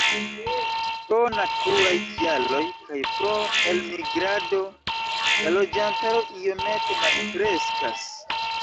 Pro naturaj kialoj kaj pro elmigrado la loĝantaro iomete malkreskas.